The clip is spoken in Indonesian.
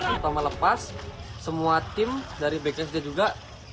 pertama lepas semua tim dari bksda juga